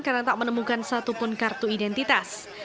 karena tak menemukan satupun kartu identitas